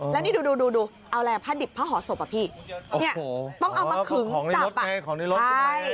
แล้วนี่ดูเอาอะไรผ้าดิบผ้าห่อศพอะพี่ต้องเอามาขึงของในรถ